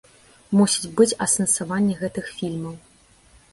Мусіць быць асэнсаванне гэтых фільмаў.